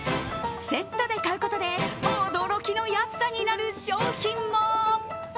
セットで買うことで驚きの安さになる商品も。